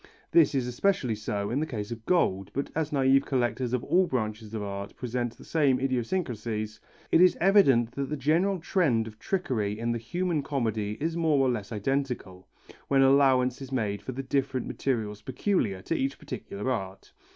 This is especially so in the case of gold, but as naïve collectors of all branches of art present the same idiosyncrasies, it is evident that the general trend of trickery in the human comedy is more or less identical, when allowance is made for the different materials peculiar to each particular art.